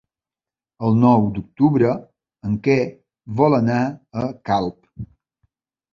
El nou d'octubre en Quer vol anar a Calp.